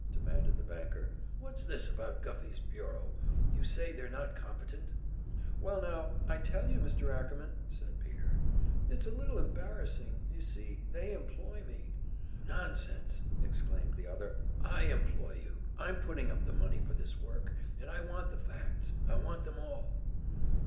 demanded the banker. "What's this about Guffey's bureau? You say they're not competent?" "Well now, I'll tell you, Mr. Ackerman," said Peter, "It's a little embarrassing. You see, they employ me " "Nonsense!" exclaimed the other. "I employ you! I'm putting up the money for this work, and I want the facts! I want them all."